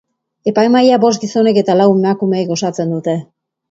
Epaimahaia bost gizonek eta lau emakumek osatzen dute.